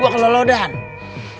hah lu nonton karep